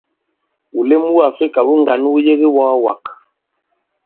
Wùlem wu Àfrikà wu ŋgǎn wu yebe i iwɔ̄ɔwàk.